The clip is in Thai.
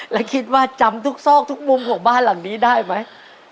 แล้วคิดว่าจำทุกซอกทุกมุมของบ้านหลังนี้ได้ไหม